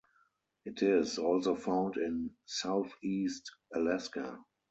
It is also found in southeast Alaska.